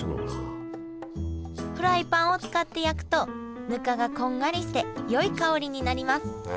フライパンを使って焼くとぬかがこんがりしてよい香りになります